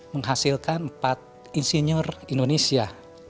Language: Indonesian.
menghasilkan empat insinyur indonesia